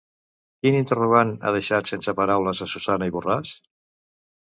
Quin interrogant ha deixat sense paraules a Susanna i Borràs?